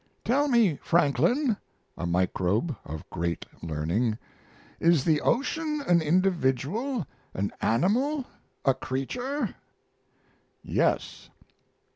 "Tell me, Franklin [a microbe of great learning], is the ocean an individual, an animal, a creature?" "Yes."